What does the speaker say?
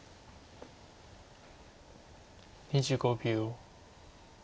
２５秒。